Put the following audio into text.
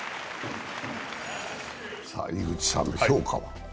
井口さんの評価は？